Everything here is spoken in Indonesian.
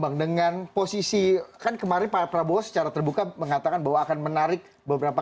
bang dengan posisi kan kemarin pak prabowo secara terbuka mengatakan bahwa akan menarik beberapa